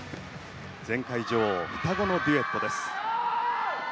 前回女王双子のデュエットです。